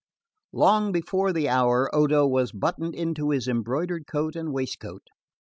Long before the hour Odo was buttoned into his embroidered coat and waistcoat.